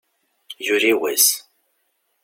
Yuli wass.